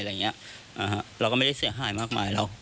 อะไรอย่างเงี้ยอ่าฮะเราก็ไม่ได้เสียหายมากมายแล้ว